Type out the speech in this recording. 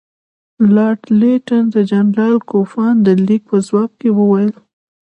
لارډ لیټن د جنرال کوفمان د لیک په ځواب کې وویل.